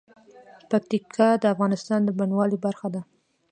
پکتیکا د افغانستان د بڼوالۍ برخه ده.